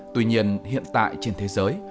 tuy nhiên hiện tại trên thế giới